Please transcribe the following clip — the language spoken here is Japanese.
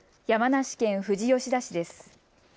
山梨県富士吉田市です。